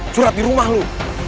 curhat di rumah lu